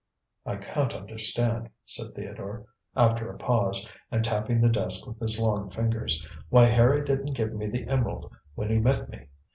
"I can't understand," said Theodore, after a pause, and tapping the desk with his long fingers, "why Harry didn't give me the emerald when he met me.